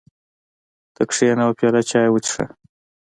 ته کېنه یوه پیاله چای وڅښه.